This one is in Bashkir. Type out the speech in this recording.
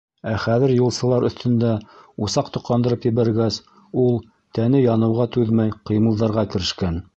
Ә хәҙер юлсылар өҫтөндә усаҡ тоҡандырып ебәргәс, ул, тәне яныуға түҙмәй, ҡыймылдарға керешкән.